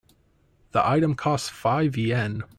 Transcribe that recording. The item costs five Yen.